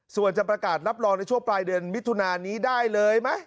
ส่วนจะประกาศรับรองในช่วงปลายเดือนมิถุนานี้ได้เลยไหม